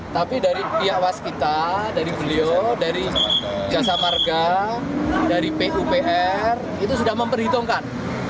tapi dari pihak waskita dari beliau dari jasa marga dari pupr itu sudah memperhitungkan